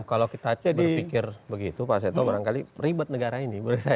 kalau kita berpikir begitu pak seto barangkali ribet negara ini